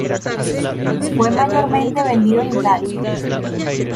Fue mayormente vendido en Italia.